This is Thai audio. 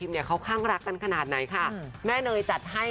ไม่รู้ว่ากลัวไม่เหมือนเดิม